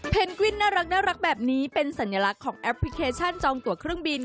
กวินน่ารักแบบนี้เป็นสัญลักษณ์ของแอปพลิเคชันจองตัวเครื่องบิน